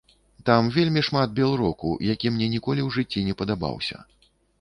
Там вельмі шмат белроку, які мне ніколі ў жыцці не падабаўся.